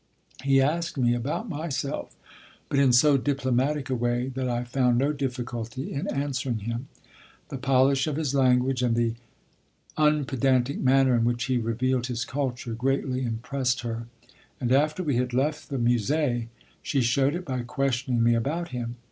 He asked me about myself, but in so diplomatic a way that I found no difficulty in answering him. The polish of his language and he unpedantic manner in which he revealed his culture greatly impressed her; and after we had left the Musée she showed it by questioning me about him.